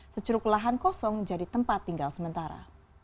securuk lahan kosong jadi tempat tinggal sementara